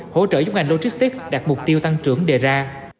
hỗ trợ giúp ngành logistics đạt mục tiêu tăng trưởng đề ra